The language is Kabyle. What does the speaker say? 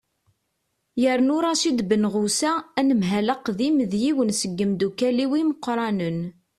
yernu racid benɣusa anemhal aqdim d yiwen seg yimeddukkal-iw imeqqranen